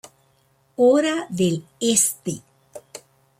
Hora del Este.